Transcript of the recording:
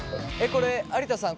これ有田さん